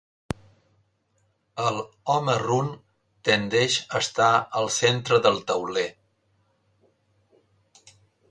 El "home run" tendeix a estar al centre del tauler.